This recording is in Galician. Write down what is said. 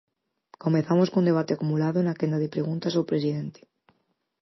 Comezamos cun debate acumulado na quenda de preguntas ao presidente.